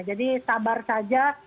jadi sabar saja